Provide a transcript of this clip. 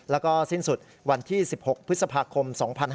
แล้วก็สิ้นสุดวันที่๑๖พฤษภาคม๒๕๕๙